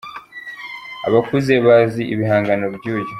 Abakuze bazi ibihangano byuyu